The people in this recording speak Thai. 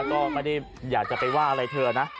ก็ไม่ได้อยากจะไปว่าอะไรเธอนะ